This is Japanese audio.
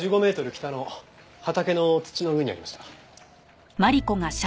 北の畑の土の上にありました。